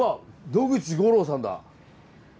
野口五郎さんだ！